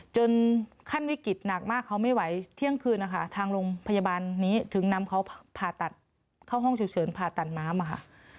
จนขั้นวิกฤตหนักมากเขาไม่ไหวเที่ยงคืนนะคะทางโรงพยาบาลนี้ถึงนำเขาผ่าตัดเข้าห้องฉุกเฉินผ่าตัดม้ามอะค่ะ